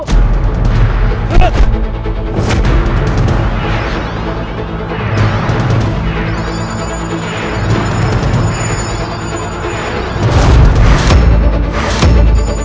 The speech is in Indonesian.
tapi kau berani tonggak di depanku